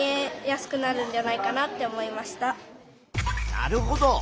なるほど。